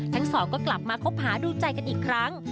ทั้งสองก็กลับมาคบหาดูใจกันอีกครั้ง